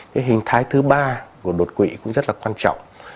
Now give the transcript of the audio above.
cái hình thái thứ ba của đột quỵ cũng rất là quan trọng